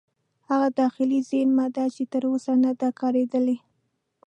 هغه داخلي زیرمه ده چې تر اوسه نه ده کارېدلې.